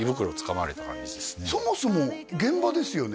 そもそも現場ですよね？